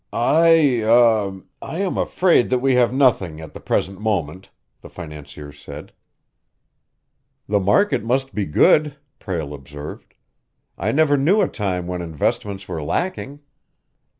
"I er I am afraid that we have nothing at the present moment," the financier said. "The market must be good," Prale observed. "I never knew a time when investments were lacking."